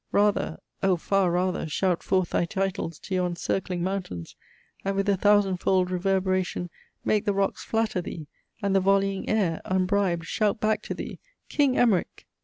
Rather, O far rather Shout forth thy titles to yon circling mountains, And with a thousand fold reverberation Make the rocks flatter thee, and the volleying air, Unbribed, shout back to thee, King Emerick!